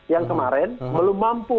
yang kemarin belum mampu